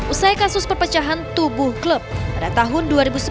usai kasus perpecahan tubuh klub pada tahun dua ribu sepuluh